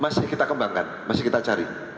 masih kita kembangkan masih kita cari